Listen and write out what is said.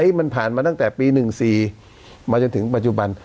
เฮ้ยมันผ่านมาตั้งแต่ปีหนึ่งสี่มาจนถึงปัจจุบัน